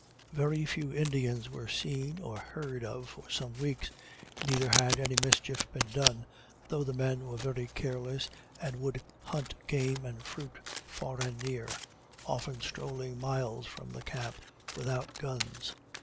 Very few Indians were seen or heard of for some weeks, neither had any mischief been done, though the men were very careless, and would hunt game and fruit far and near often strolling miles from the camp without guns.